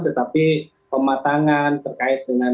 tetapi pematangan terkait dengan